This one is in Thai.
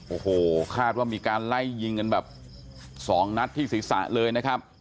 โอ้โหคาดว่ามีการไล่ยิงกันแบบสองนัดที่ศีรษะเลยนะครับ